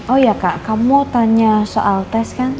oh ya kak kamu tanya soal tes kan